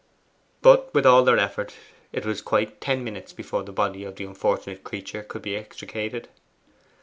But with all their efforts it was quite ten minutes before the body of the unfortunate creature could be extricated.